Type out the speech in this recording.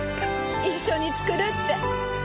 一緒に作るって。